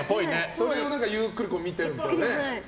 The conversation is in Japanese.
それをゆっくり見てる。